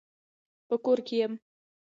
په کور کي يم .